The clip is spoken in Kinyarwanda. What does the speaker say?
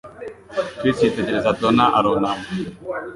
Chris yitegereza Donna, arunama.